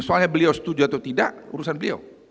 soalnya beliau setuju atau tidak urusan beliau